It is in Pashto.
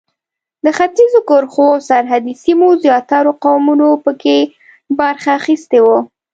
د ختیځو کرښو او سرحدي سیمو زیاترو قومونو په کې برخه اخیستې وه.